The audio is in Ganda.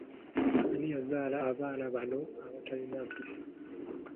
Ani yazaala abaana bano abatalina mpisa?